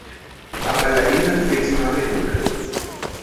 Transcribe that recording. A bailarina fez uma abertura